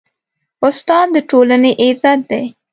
استاد د ټولنې عزت دی.